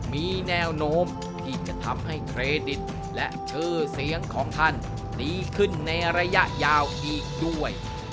มีแนวโน้มที่จะทำให้เครดิตและชื่อเสียงของท่านดีขึ้นในระยะยาวอีกด้วย